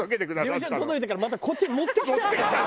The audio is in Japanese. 事務所に届いてからまたこっちに持ってきちゃって。